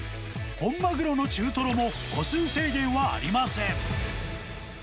本マグロの中トロも個数制限はありません。